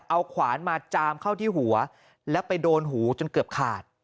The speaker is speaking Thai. เอาขวานมาจามเข้าที่หัวแล้วไปโดนหูจนเกือบขาด